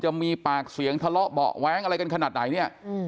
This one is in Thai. จะมีปากเสียงทะเลาะเบาะแว้งอะไรกันขนาดไหนเนี่ย